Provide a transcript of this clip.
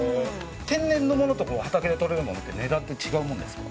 天然のものと畑でとれるものは値段は違うもんですか？